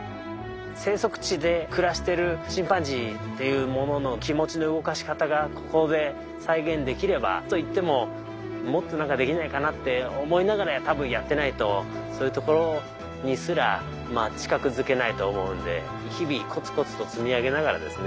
生息地で暮らしてるチンパンジーっていうものの気持ちの動かし方がここで再現できればといってももっと何かできないかなって思いながら多分やってないとそういうところにすら近づけないと思うんで日々コツコツと積み上げながらですね